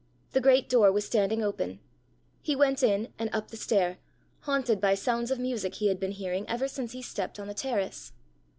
The great door was standing open: he went in, and up the stair, haunted by sounds of music he had been hearing ever since he stepped on the terrace.